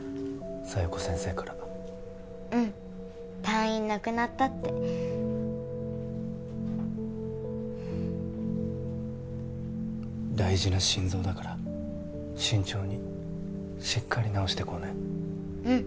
沙世子先生からうん「退院なくなった」って大事な心臓だから慎重にしっかり治してこうねうん